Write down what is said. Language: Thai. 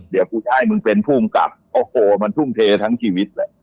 เดี๋ยวกูให้มึงเป็นผู้กำกับโอ้โหมันทุ่มเททั้งชีวิตแหละ